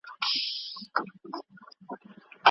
مثبت او جوړوونکی انسان تل نورو خلګو ته انګېزه او خوښي ورکوي.